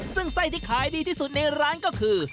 ซึ่งไส้ที่ขายดีที่สุดในร้านก็คือ